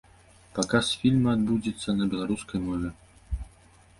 Паказ фільма адбудзецца на беларускай мове.